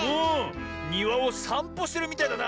にわをさんぽしてるみたいだな。